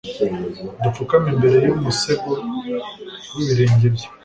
dupfukame imbere y’umusego w’ibirenge bye